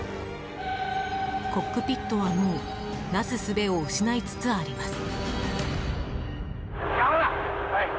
コックピットはもうなすすべを失いつつあります。